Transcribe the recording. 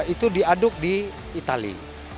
itu diaduk di itali